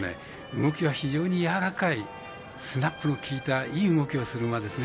動きが非常にやわらかいスナップきいたいい動きをする馬ですね。